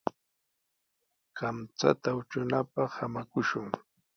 Kamchata utrunapaq samakushun.